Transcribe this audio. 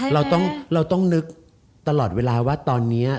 เราต้องนึกตลอดเวลาว่าตอนนี้